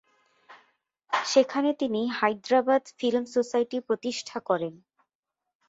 সেখানে তিনি Hyderabad film society প্রতিষ্ঠা করেন।